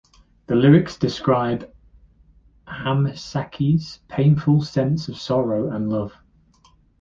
The lyrics describe Hamasaki's "painful" sense of sorrow and love.